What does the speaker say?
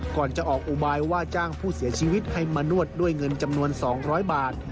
ก่อนจะออกอุบายว่าจ้างผู้เสียชีวิตให้มานวดด้วยเงินจำนวน๒๐๐บาท